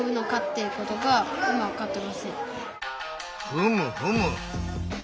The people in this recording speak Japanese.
ふむふむ！